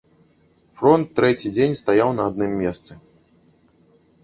Фронт трэці дзень стаяў на адным месцы.